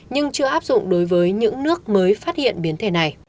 nhưng chưa áp dụng đối với những nước mới phát hiện biến thể này